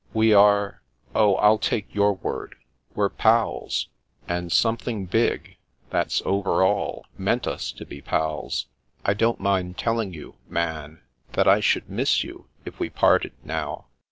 We are— oh, I'll take your word ! We're * pals,' and Something big that's over all meant us to be pals. I don't mind telling you, Man, that I should miss you, if we parted now."